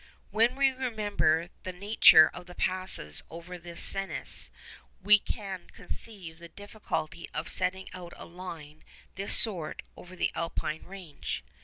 When we remember the nature of the passes over the Cenis, we can conceive the difficulty of setting out a line of this sort over the Alpine range.